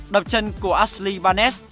đập chân của ashley barnett